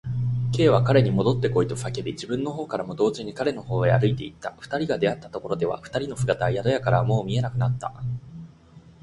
Ｋ は彼にもどってこいと叫び、自分のほうからも同時に彼のほうへ歩いていった。二人が出会ったところでは、二人の姿は宿屋からはもう見えなくなっていた。